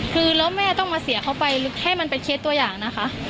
คือแล้วแม่ต้องมาเสียเขาไปให้มันเป็นเคสตัวอย่างนะคะ